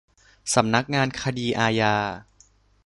สำนักงานคดีอาญา